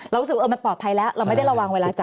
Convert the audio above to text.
รู้สึกว่ามันปลอดภัยแล้วเราไม่ได้ระวังเวลาจับ